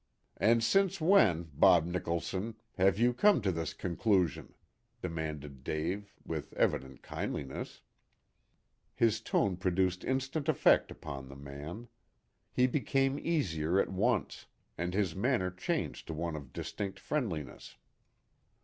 "And since when, Bob Nicholson, have you come to this conclusion?" demanded Dave, with evident kindliness. His tone produced instant effect upon the man. He became easier at once, and his manner changed to one of distinct friendliness.